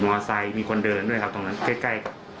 มีมอเซตมีคนเดินด้วยครับตรงนั้นใกล้